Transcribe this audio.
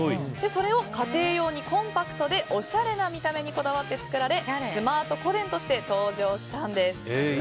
それを家庭用にコンパクトでおしゃれな見た目にこだわって作られ、スマート個電として登場したんです。